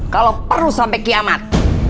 kalau perlu sampai kiamat